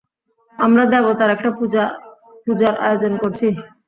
আমরা দেবতার একটা পূজার আয়োজন করছি।